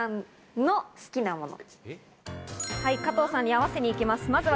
加藤さんに合わせに行きます。